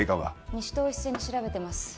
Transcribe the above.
西棟を一斉に調べてます